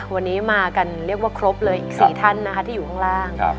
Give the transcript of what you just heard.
วันนี้มากันเรียกว่าครบเลยอีก๔ท่านนะคะที่อยู่ข้างล่าง